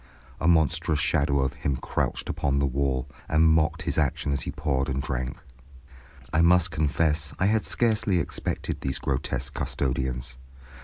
A monstrous shadow of him crouched upon the wall, and mocked his action as he poured and drank. I must confess I had scarcely expected these grotesque custodians.